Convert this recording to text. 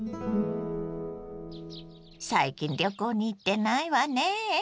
最近旅行に行ってないわね。